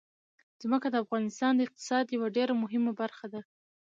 ځمکه د افغانستان د اقتصاد یوه ډېره مهمه برخه ده.